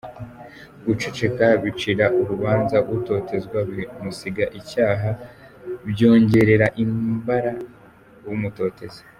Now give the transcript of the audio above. guceceka bicira urubanza utotezwa, bimusiga icyaha, byongerera imbara umutoteza.